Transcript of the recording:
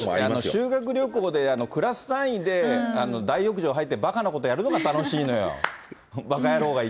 修学旅行でクラス単位で大浴場入ってばかなことやるのが楽しいのよ。